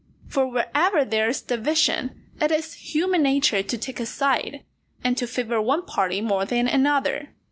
For wherever there is division, it is human nature to take a side, and to favour one party more than another.